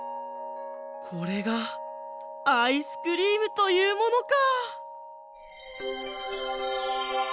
これがアイスクリームというものか！